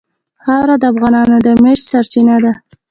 خاوره د افغانانو د معیشت سرچینه ده.